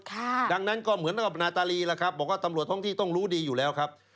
ดังนั้นก็เหมือนกับนาตาลีล่ะครับบอกว่าตำรวจท้องที่ต้องรู้ดีอยู่แล้วครับ